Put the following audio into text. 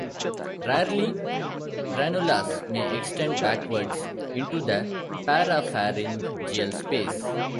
Rarely, ranulas may extend backwards into the parapharyngeal space.